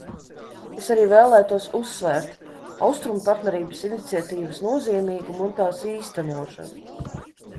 Es arī vēlētos uzsvērt Austrumu partnerības iniciatīvas nozīmīgumu un tās īstenošanu.